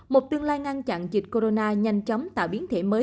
một tương lai ngăn chặn dịch corona nhanh chóng tạo biến thể mới